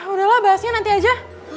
udahlah bahasnya nanti aja